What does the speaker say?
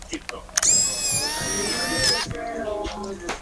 Llegó a Chile en la expedición de Pedro de Valdivia.